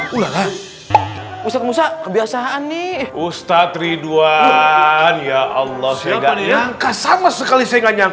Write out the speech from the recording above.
posisi ustadz musa kebiasaan nih ustadz ridwan ya allah sehat yang ke sama sekali sehat yang